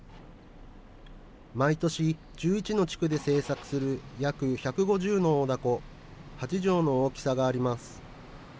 毎年、１１の地区で製作する約１５０の大凧、８畳の大きさがあります。